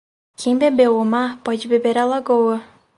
Quem bebeu o mar pode beber a lagoa.